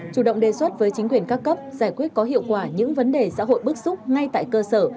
chủ động đề xuất với chính quyền các cấp giải quyết có hiệu quả những vấn đề xã hội bức xúc ngay tại cơ sở